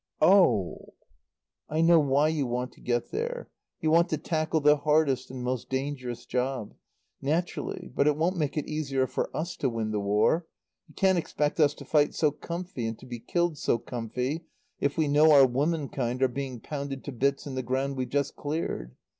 "Oh " "I know why you want to get there. You want to tackle the hardest and most dangerous job. Naturally. But it won't make it easier for us to win the War. You can't expect us to fight so comfy, and to be killed so comfy, if we know our womenkind are being pounded to bits in the ground we've just cleared.